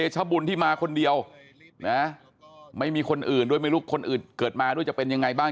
ชบุญที่มาคนเดียวนะไม่มีคนอื่นด้วยไม่รู้คนอื่นเกิดมาด้วยจะเป็นยังไงบ้าง